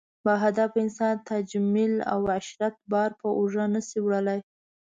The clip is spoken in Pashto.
باهدفه انسان تجمل او عشرت بار په اوږو نه شي وړلی.